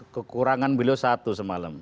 kekurangan beliau satu semalam